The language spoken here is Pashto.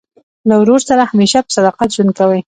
له ورور سره همېشه په صداقت ژوند کوئ!